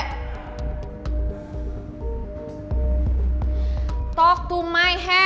sebagai cewe matre